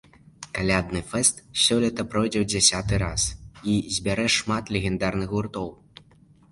Калядны фэст сёлета пройдзе ў дзясяты раз і збярэ шмат легендарных гуртоў.